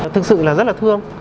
thực sự là rất là thương